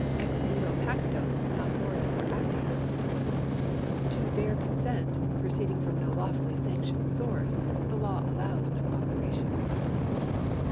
Ex nudo pacto non oritur actio. To bare consent, proceeding from no lawfully sanctioned source, the law allows no operation.